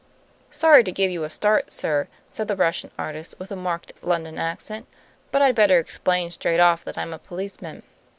"Sorry to give you a start, sir," said the Russian artist, with a marked London accent. "But I'd better explain straight off that I'm a policeman."